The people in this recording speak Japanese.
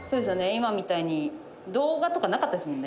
今みたいに動画とかなかったですもんね。